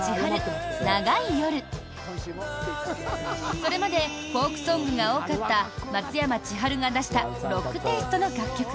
それまでフォークソングが多かった松山千春が出したロックテイストの楽曲。